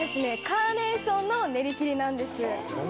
カーネーションの練り切りなんです。